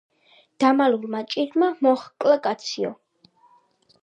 დამალულმა ჭირმა მოჰკლა კაციო